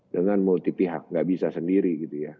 dengan multi pihak nggak bisa sendiri gitu ya